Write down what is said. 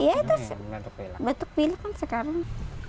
iya terus batuk pilok kan sekarang